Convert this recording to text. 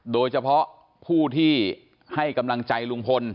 โดยเฉพาะผู้ที่ให้กำลังใจลุงพล